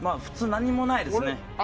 普通何にもないですね。